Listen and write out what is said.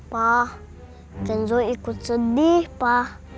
pa kenzo ikut sedih pa